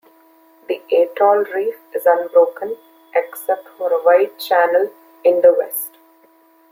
The atoll reef is unbroken except for a wide channel in the west.